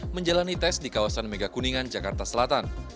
menjalani tes di kawasan megakuningan jakarta selatan